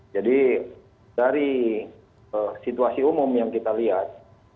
jadi dari situasi umum yang kita lihat